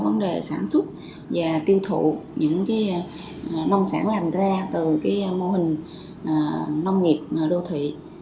vấn đề sản xuất và tiêu thụ những nông sản làm ra từ mô hình nông nghiệp đô thị